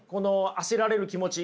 焦られる気持ち